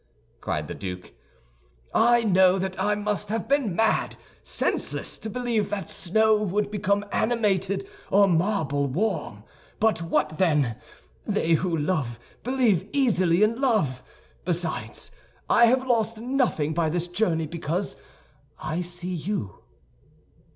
cried the duke. "I know that I must have been mad, senseless, to believe that snow would become animated or marble warm; but what then! They who love believe easily in love. Besides, I have lost nothing by this journey because I see you."